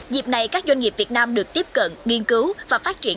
dịp này các doanh nghiệp việt nam được tiếp cận nghiên cứu và phát triển